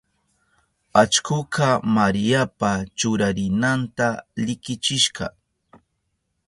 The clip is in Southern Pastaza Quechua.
Allkuka Mariapa churarinanta likichishka.